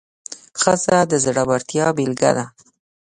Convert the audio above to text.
ښځه د زړورتیا بیلګه ده.